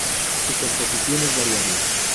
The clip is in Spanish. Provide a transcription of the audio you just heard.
Su composición es variable.